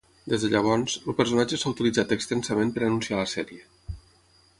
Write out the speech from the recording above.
Des de llavors, el personatge s'ha utilitzat extensament per anunciar la sèrie.